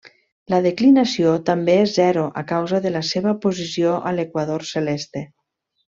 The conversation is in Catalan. La declinació també és zero a causa de la seva posició a l'equador celeste.